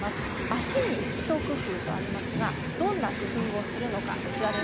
足に一工夫とありますがどんな工夫をするのか。